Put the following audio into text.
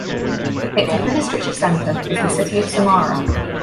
Its administrative center is the city of Samara.